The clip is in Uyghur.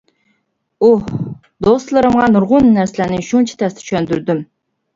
ئۇھ. دوستلىرىمغا نۇرغۇن نەرسىلەرنى شۇنچە تەستە چۈشەندۈردۈم.